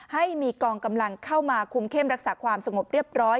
ให้มีกองกำลังเข้ามาคุมเข้มรักษาความสงบเรียบร้อย